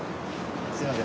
すいません。